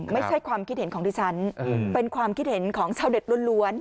ไม่ใช่ความคิดเห็นของดิฉันเป็นความคิดเห็นของชาวเด็ดล้วน